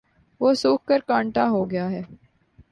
وہ سوکھ کر کانٹا ہو گیا ہے